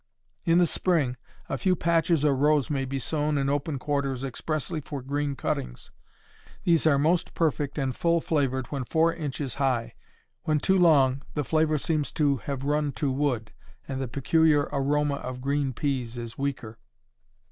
In the spring, a few patches or rows may be sown in open quarters expressly for green cuttings. These are most perfect and full flavored when four inches high. When too long, the flavor seems to have run to wood, and the peculiar aroma of green peas is weaker.